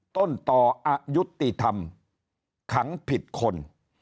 ต้นต่ออายุติธรรมขังผิดคน